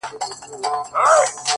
ټول ژوند د غُلامانو په رکم نیسې;